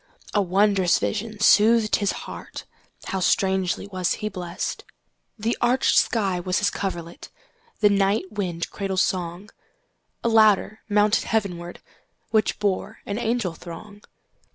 A wondrous vision soothed his heartHow strangely was he blessed! The arched sky was his coverlet, The night wind cradle song;A ladder mounted heavenwardWhich bore an angel throng.